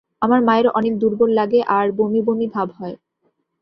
আমার মায়ের অনেক দুর্বল লাগে আর বমি বমি ভাব হয়।